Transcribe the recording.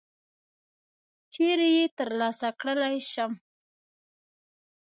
چیري یې ترلاسه کړلای شم ؟